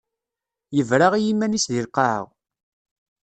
Yebra i yiman-is deg lqaɛa.